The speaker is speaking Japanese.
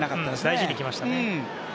大事に行きましたね。